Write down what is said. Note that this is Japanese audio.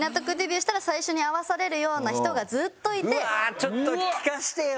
ちょっと聞かせてよ。